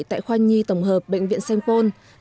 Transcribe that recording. tại khoa nhi tổng hợp bệnh viện sampone